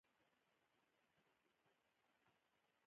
خو چې ګودر کښې مې سر ورښکته کړو